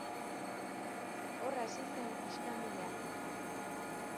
Hor hasi zen iskanbila.